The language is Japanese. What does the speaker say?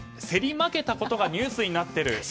競り負けたことがニュースになってる。